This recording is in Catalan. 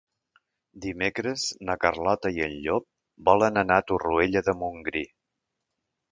Dimecres na Carlota i en Llop volen anar a Torroella de Montgrí.